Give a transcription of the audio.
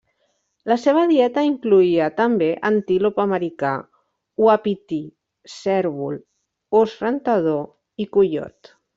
La seva dieta incloïa també antílop americà, uapití, cérvol, ós rentador i coiot.